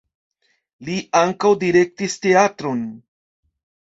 Li ankaŭ direktis teatron.